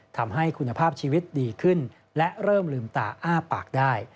ทำให้คุณภาพชีวิตดีขึ้นและเริ่มลืมตาอ้าปากได้